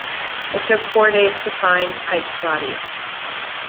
It took four days to find Pike's body.